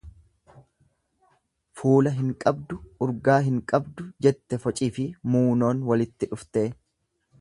Fuula hin qabdu, urgaa hin qabdu jette focifi muunoon walitti dhuftee.